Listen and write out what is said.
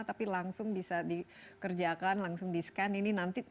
tapi langsung bisa dikerjakan langsung di scan ini nanti